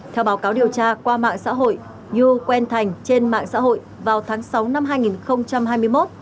theo báo cáo điều tra qua mạng xã hội nhu quen thành trên mạng xã hội vào tháng sáu năm hai nghìn hai mươi một